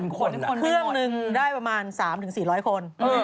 ขนเครื่องหนึ่งได้ประมาณ๓๔๐๐คน